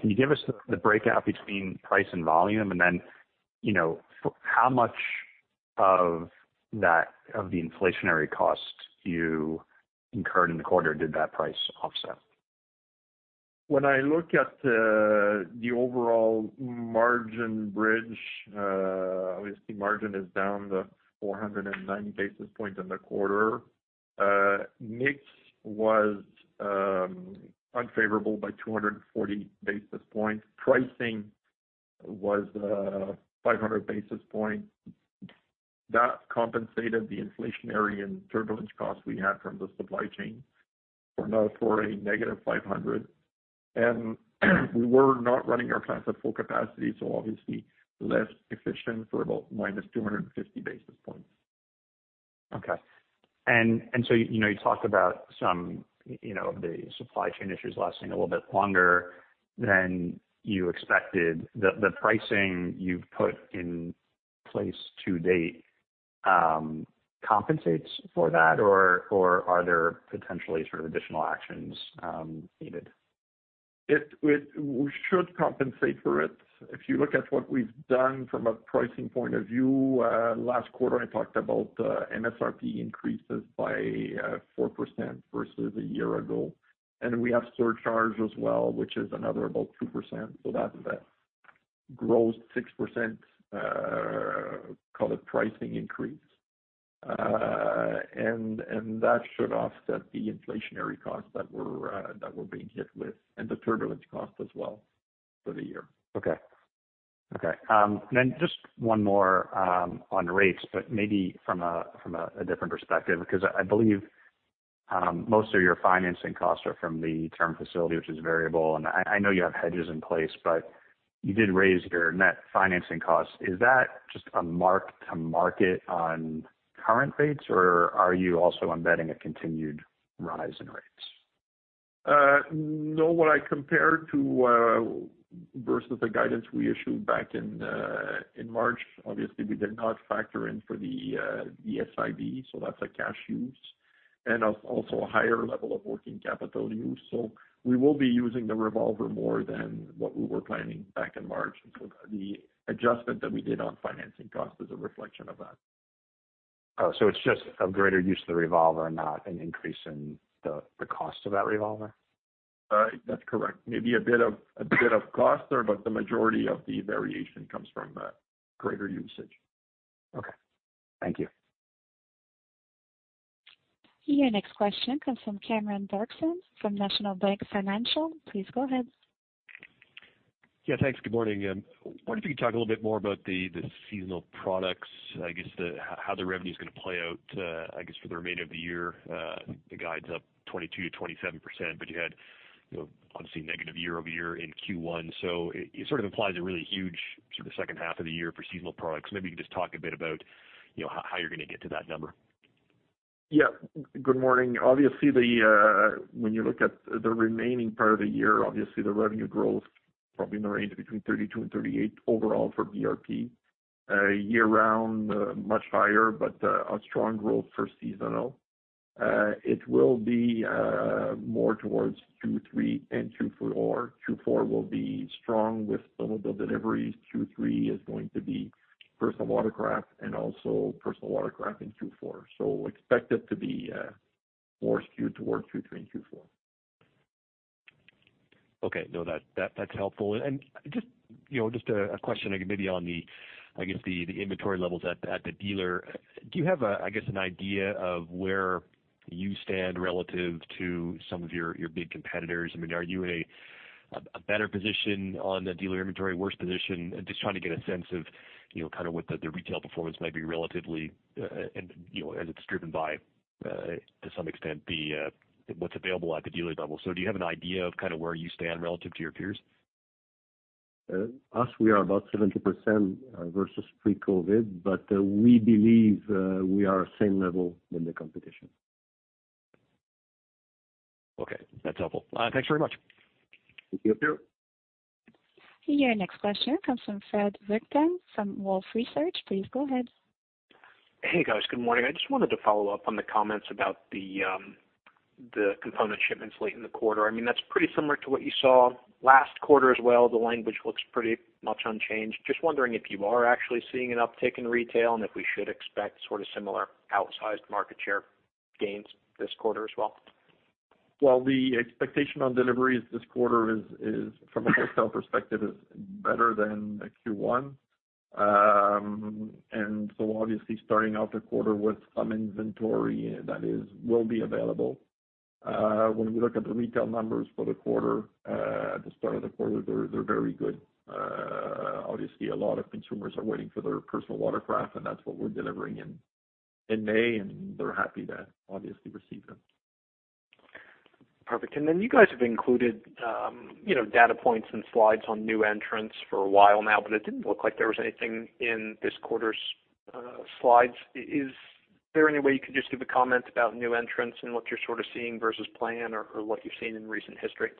[SPEAKER 12] Can you give us the breakdown between price and volume? You know, how much of the inflationary cost you incurred in the quarter did that price offset?
[SPEAKER 4] When I look at the overall margin bridge, obviously margin is down 409 basis points in the quarter. Mix was unfavorable by 240 basis points. Pricing was 500 basis points. That compensated the inflationary and turbulence costs we had from the supply chain for a -500. We were not running our plants at full capacity, so obviously less efficient for about -250 basis points.
[SPEAKER 12] Okay. You know, you talked about some, you know, the supply chain issues lasting a little bit longer than you expected. The pricing you've put in place to date compensates for that or are there potentially sort of additional actions needed?
[SPEAKER 4] We should compensate for it. If you look at what we've done from a pricing point of view, last quarter, I talked about MSRP increases by 4% versus a year ago. We have surcharge as well, which is another about 2%. That's a gross 6%, call it pricing increase. That should offset the inflationary costs that we're being hit with and the turbulence cost as well for the year.
[SPEAKER 12] Okay. Just one more on rates, but maybe from a different perspective, because I believe most of your financing costs are from the term facility, which is variable. I know you have hedges in place, but you did raise your net financing cost. Is that just a mark to market on current rates, or are you also embedding a continued rise in rates?
[SPEAKER 4] No. What I compared to versus the guidance we issued back in March, obviously we did not factor in for the SIB, so that's a cash use and also a higher level of working capital use. We will be using the revolver more than what we were planning back in March. The adjustment that we did on financing cost is a reflection of that.
[SPEAKER 12] Oh, it's just a greater use of the revolver, not an increase in the cost of that revolver?
[SPEAKER 4] That's correct. Maybe a bit of cost there, but the majority of the variation comes from the greater usage.
[SPEAKER 12] Okay. Thank you.
[SPEAKER 1] Your next question comes from Cameron Doerksen from National Bank Financial. Please go ahead.
[SPEAKER 13] Yeah, thanks. Good morning. Wonder if you could talk a little bit more about the seasonal products, I guess, how the revenue is gonna play out, I guess, for the remainder of the year. The guide's up 22%-27%, but you had, you know, obviously negative year-over-year in Q1. It sort of implies a really huge sort of second half of the year for seasonal products. Maybe you can just talk a bit about, you know, how you're gonna get to that number.
[SPEAKER 4] Yeah. Good morning. Obviously, when you look at the remaining part of the year, obviously the revenue growth probably in the range of between 32% and 38% overall for BRP. Year round, much higher, but a strong growth for seasonal. It will be more towards Q3 and Q4. Q4 will be strong with some of the deliveries. Q3 is going to be personal watercraft and also personal watercraft in Q4. Expect it to be more skewed towards Q3 and Q4.
[SPEAKER 13] Okay. No, that's helpful. Just, you know, a question maybe on the, I guess the inventory levels at the dealer. Do you have an idea of where you stand relative to some of your big competitors? I mean, are you in a better position on the dealer inventory, worse position? Just trying to get a sense of, you know, kind of what the retail performance might be relatively, and, you know, as it's driven by, to some extent, the what's available at the dealer level. Do you have an idea of kind of where you stand relative to your peers?
[SPEAKER 4] We are about 70% versus pre-COVID, but we believe we are same level than the competition.
[SPEAKER 13] Okay. That's helpful. Thanks very much.
[SPEAKER 4] Thank you.
[SPEAKER 1] Your next question comes from Fred Wightman from Wolfe Research. Please go ahead.
[SPEAKER 14] Hey, guys. Good morning. I just wanted to follow up on the comments about the component shipments late in the quarter. I mean, that's pretty similar to what you saw last quarter as well. The language looks pretty much unchanged. Just wondering if you are actually seeing an uptick in retail, and if we should expect sort of similar outsized market share gains this quarter as well.
[SPEAKER 4] Well, the expectation on deliveries this quarter is from a wholesale perspective better than the Q1. Obviously starting out the quarter with some inventory that will be available. When we look at the retail numbers for the quarter at the start of the quarter, they're very good. Obviously a lot of consumers are waiting for their personal watercraft, and that's what we're delivering in May, and they're happy to obviously receive them.
[SPEAKER 14] Perfect. Then you guys have included, you know, data points and slides on new entrants for a while now, but it didn't look like there was anything in this quarter's slides. Is there any way you could just give a comment about new entrants and what you're sort of seeing versus plan or what you've seen in recent history?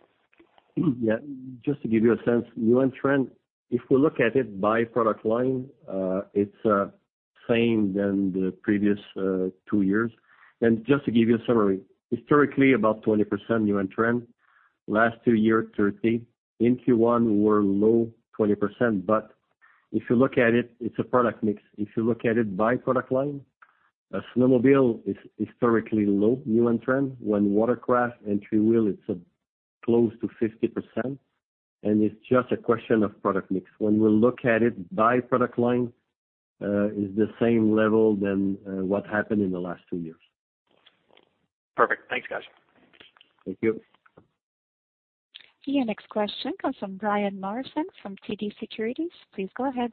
[SPEAKER 3] Yeah, just to give you a sense, new entrant, if we look at it by product line, it's same than the previous two years. Just to give you a summary, historically about 20% new entrant. Last two years, 30%. In Q1, we're low 20%. If you look at it's a product mix. If you look at it by product line, a snowmobile is historically low year-end trend. When watercraft and three-wheel, it's close to 50%, and it's just a question of product mix. When we look at it by product line, is the same level as what happened in the last two years.
[SPEAKER 14] Perfect. Thanks, guys.
[SPEAKER 3] Thank you.
[SPEAKER 1] Your next question comes from Brian Morrison from TD Securities. Please go ahead.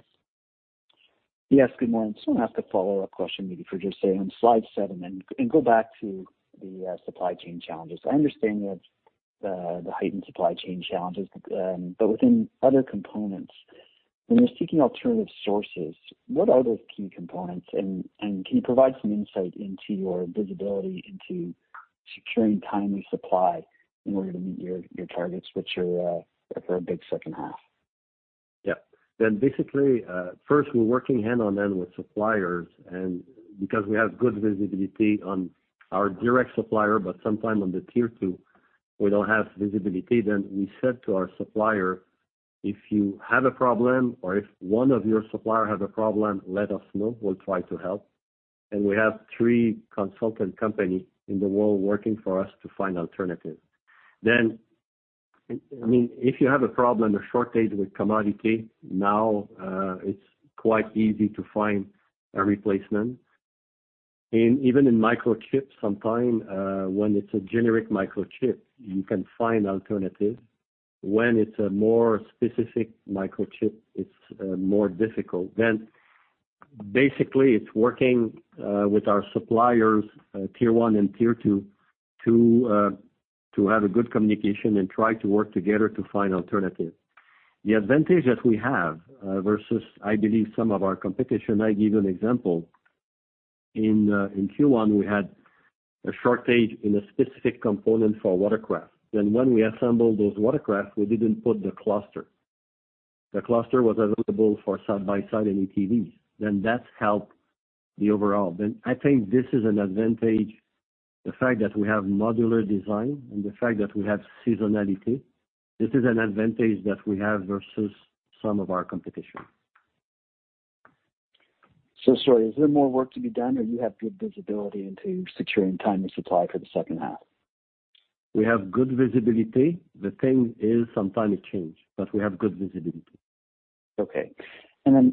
[SPEAKER 15] Yes, good morning. Just wanna ask a follow-up question, maybe just staying on slide seven and go back to the supply chain challenges. I understand the heightened supply chain challenges, but within other components, when you're seeking alternative sources, what are those key components? And can you provide some insight into your visibility into securing timely supply in order to meet your targets, which are for a big second half?
[SPEAKER 3] Yeah. Basically, first, we're working hand in hand with suppliers. Because we have good visibility on our direct supplier, but sometimes on the tier two, we don't have visibility, then we said to our supplier, "If you have a problem or if one of your suppliers has a problem, let us know. We'll try to help." We have three consulting companies in the world working for us to find alternatives. I mean, if you have a problem, a shortage with commodity, now, it's quite easy to find a replacement. Even in microchip, sometimes, when it's a generic microchip, you can find alternatives. When it's a more specific microchip, it's more difficult. Basically, it's working with our suppliers, tier one and tier two to have a good communication and try to work together to find alternatives. The advantage that we have versus, I believe, some of our competition. I give an example. In Q1, we had a shortage in a specific component for watercraft. When we assembled those watercraft, we didn't put the cluster. The cluster was available for side-by-side and ATVs. That's helped the overall. I think this is an advantage, the fact that we have modular design and the fact that we have seasonality. This is an advantage that we have versus some of our competition.
[SPEAKER 15] Sorry, is there more work to be done, or you have good visibility into securing timely supply for the second half?
[SPEAKER 3] We have good visibility. The thing is sometimes it change, but we have good visibility.
[SPEAKER 15] Okay.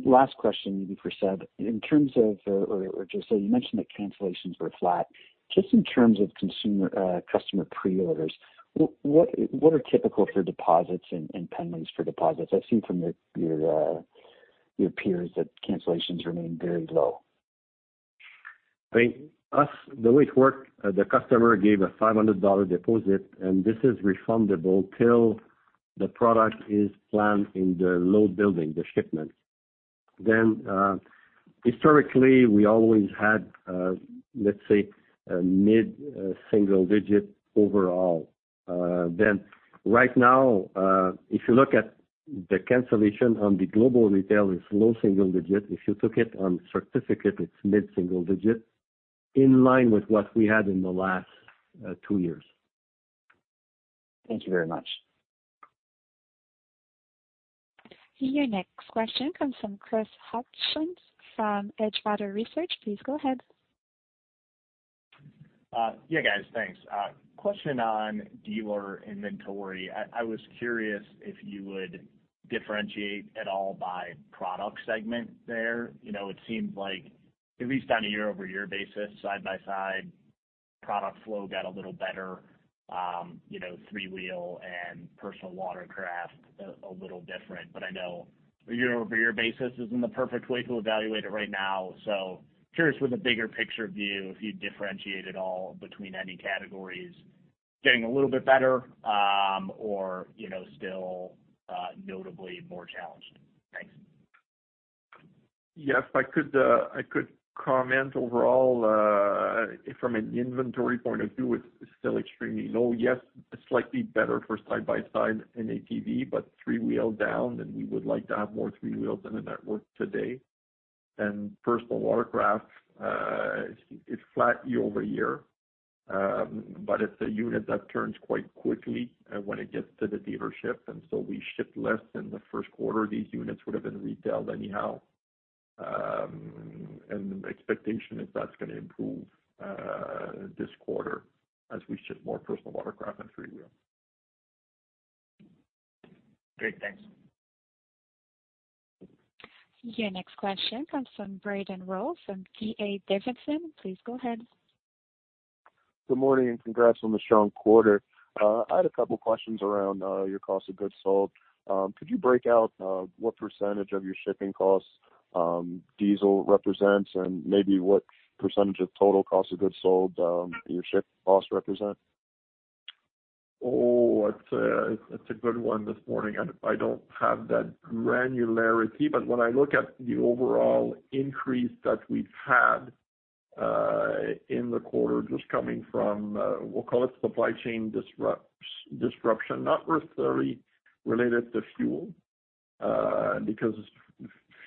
[SPEAKER 15] Last question, maybe for Seb. You mentioned that cancellations were flat. Just in terms of customer pre-orders, what are typical for deposits and pendings for deposits? I've seen from your peers that cancellations remain very low.
[SPEAKER 3] I think, as the way it works, the customer gave a $500 deposit, and this is refundable till the product is planned in the load building, the shipment. Historically, we always had, let's say, a mid-single digit overall. Right now, if you look at the cancellation on the global retail, it's low single digit. If you took it on certificate, it's mid-single digit, in line with what we had in the last two years.
[SPEAKER 15] Thank you very much.
[SPEAKER 1] Your next question comes from Chris Hodson from Edgewater Research. Please go ahead.
[SPEAKER 16] Yeah, guys. Thanks. Question on dealer inventory. I was curious if you would differentiate at all by product segment there. You know, it seems like, at least on a year-over-year basis, side-by-side product flow got a little better, you know, three-wheel and personal watercraft a little different. I know a year-over-year basis isn't the perfect way to evaluate it right now. Curious with a bigger picture view, if you differentiate at all between any categories getting a little bit better, or, you know, still notably more challenged. Thanks.
[SPEAKER 3] Yes, I could comment overall, from an inventory point of view, it's still extremely low. Yes, slightly better for side-by-side and ATV, but three-wheel down, and we would like to have more three wheels in the network today. Personal watercraft, it's flat year-over-year, but it's a unit that turns quite quickly, when it gets to the dealership, and so we ship less in the first quarter. These units would have been retailed anyhow. The expectation is that's gonna improve, this quarter as we ship more personal watercraft and three-wheel.
[SPEAKER 16] Great. Thanks.
[SPEAKER 1] Your next question comes from Brandon Rollé from D.A. Davidson. Please go ahead.
[SPEAKER 17] Good morning, congrats on the strong quarter. I had a couple questions around your cost of goods sold. Could you break out what percentage of your shipping costs diesel represents and maybe what percentage of total cost of goods sold your ship cost represent?
[SPEAKER 4] Oh, it's a good one this morning, and I don't have that granularity. When I look at the overall increase that we've had in the quarter, just coming from we'll call it supply chain disruption, not necessarily related to fuel, because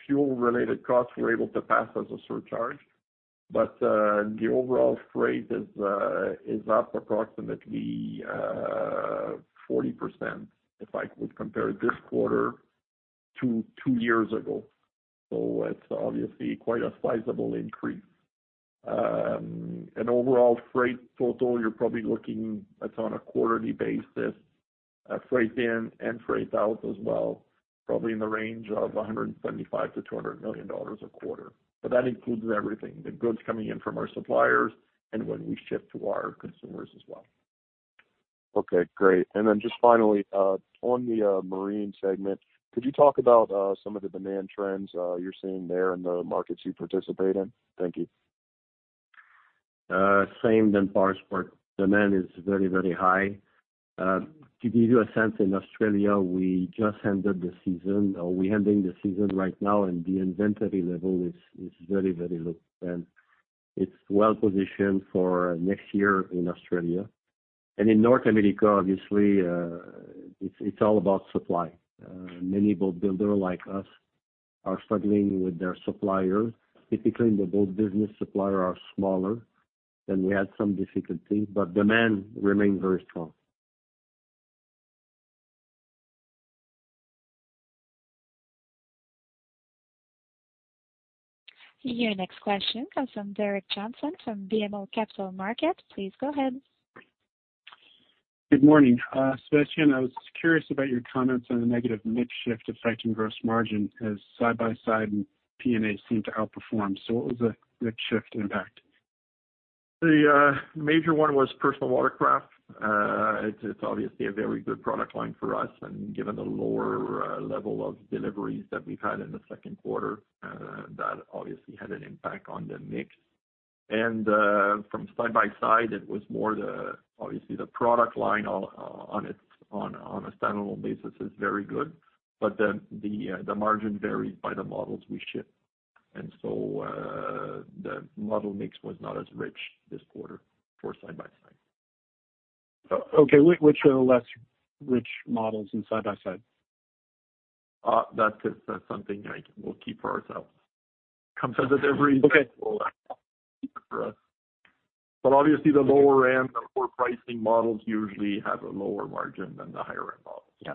[SPEAKER 4] fuel-related costs we're able to pass as a surcharge. The overall freight is up approximately 40% if I could compare this quarter to two years ago. It's obviously quite a sizable increase. Overall freight total, you're probably looking at, on a quarterly basis, at freight in and freight out as well, probably in the range of 175 million-200 million dollars a quarter. That includes everything, the goods coming in from our suppliers and when we ship to our consumers as well.
[SPEAKER 17] Okay, great. Just finally, on the marine segment, could you talk about some of the demand trends you're seeing there in the markets you participate in? Thank you.
[SPEAKER 3] Same as powersports. Demand is very, very high. To give you a sense, in Australia, we just ended the season or we're ending the season right now, and the inventory level is very, very low, and it's well-positioned for next year in Australia. In North America, obviously, it's all about supply. Many boat builders like us are struggling with their suppliers. Typically, in the boat business, suppliers are smaller, and we had some difficulty, but demand remained very strong.
[SPEAKER 1] Your next question comes from Gerrick Johnson from BMO Capital Markets. Please go ahead.
[SPEAKER 18] Good morning. Sébastien, I was curious about your comments on the negative mix shift affecting gross margin as side-by-side and PA&A seemed to outperform. What was the mix shift impact?
[SPEAKER 4] The major one was personal watercraft. It's obviously a very good product line for us, and given the lower level of deliveries that we've had in the second quarter, that obviously had an impact on the mix. From side-by-side, it was more the obviously the product line on its standalone basis is very good, but the margin varies by the models we ship. The model mix was not as rich this quarter for side-by-side.
[SPEAKER 18] Okay. Which are the less rich models in side-by-side?
[SPEAKER 4] That is something we'll keep for ourselves. Competitive reason.
[SPEAKER 18] Okay.
[SPEAKER 4] We'll keep for us. Obviously the lower end or core pricing models usually have a lower margin than the higher end models. Yeah.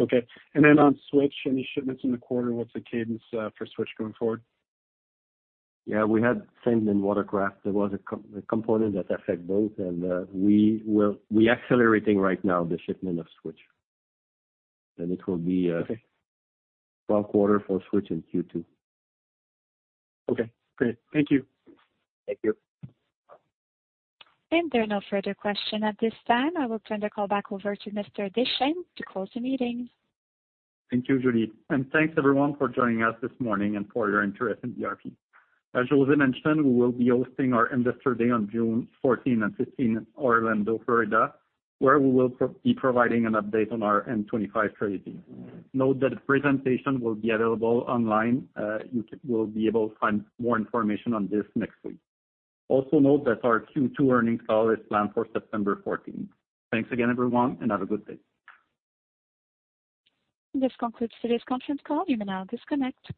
[SPEAKER 18] Okay. On Switch, any shipments in the quarter, what's the cadence for Switch going forward?
[SPEAKER 4] Yeah. We had the same in watercraft. There was a component that affects both, and we are accelerating right now the shipment of Switch. It will be.
[SPEAKER 18] Okay.
[SPEAKER 4] Strong quarter for Switch in Q2.
[SPEAKER 18] Okay, great. Thank you.
[SPEAKER 4] Thank you.
[SPEAKER 1] There are no further question at this time. I will turn the call back over to Mr. Deschênes to close the meeting.
[SPEAKER 2] Thank you, Judith. Thanks, everyone, for joining us this morning and for your interest in BRP. As José mentioned, we will be hosting our Investor Day on June 14 and 15, Orlando, Florida, where we will be providing an update on our M25 strategy. Note that the presentation will be available online. You will be able to find more information on this next week. Also note that our Q2 earnings call is planned for September 14. Thanks again, everyone, and have a good day.
[SPEAKER 1] This concludes today's conference call. You may now disconnect.